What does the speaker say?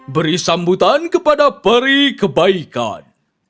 beri sambutan kepada peri kebaikan